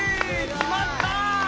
決まった！